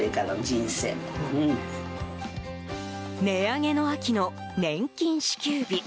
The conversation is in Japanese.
値上げの秋の年金支給日。